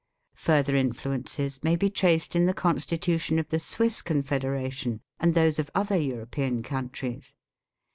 Further influences may be traced XIV PREFACE in the constitution of the Swiss Confederation and those of other European countries.